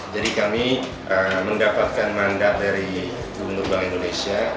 jadi kami mendapatkan mandat dari bunga bank indonesia